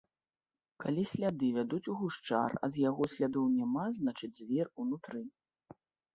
Калі сляды вядуць у гушчар, а з яго слядоў няма, значыць звер унутры.